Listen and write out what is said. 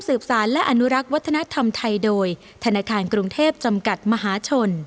สารและอนุรักษ์วัฒนธรรมไทยโดยธนาคารกรุงเทพจำกัดมหาชน